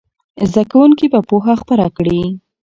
زده کوونکي به پوهه خپره کړي.